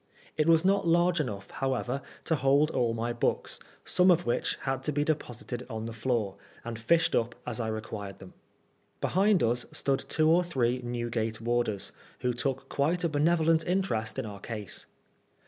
It was not large enough, however, to hold all my books, some of which had to be deposited on the floor, and fished np as I required them. Behind us stood two or three Newgate warders, who took quite a benevolent interest in our case.